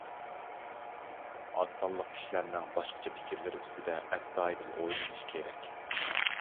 ئاز سانلىق كىشىلەرنىڭ باشقىچە پىكىرلىرى ئۈستىدە ئەستايىدىل ئويلىنىش كېرەك.